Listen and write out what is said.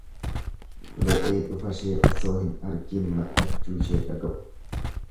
Re'ee dhufashee osoo hin argiin mar'achuu ishee dhaga'u.